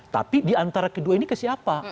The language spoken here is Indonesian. tapi di antara kedua ini ke siapa